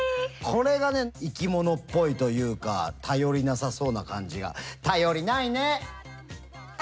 これがね生き物っぽいというか頼りなさそうな感じが頼りないね！